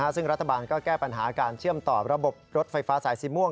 ซึ่งรัฐบาลก็แก้ปัญหาการเชื่อมต่อระบบรถไฟฟ้าสายสีม่วง